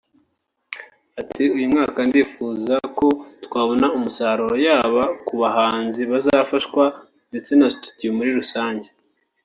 Ati “ Uyu mwaka ndifuza ko twabona umusaruro yaba ku bahanzi bazafashwa ndetse na studio muri rusange